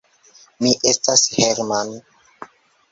Mi estas Hermann!